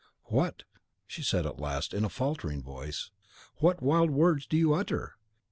"What," she said, at last, in a faltering voice, "what wild words do you utter!